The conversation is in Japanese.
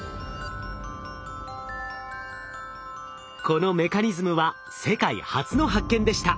このメカニズムは世界初の発見でした。